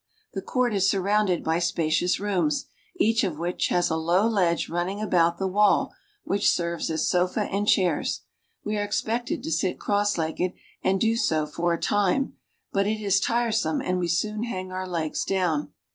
The court iwl.^^l s surrounded by spacioi inded by spacious rooms, each of which his a low ledge running about the wail, which ser\es as sofa and chairs. We are expected to sit cross legged, and do so for a time, but it is tiresome and we soon hang our legs down.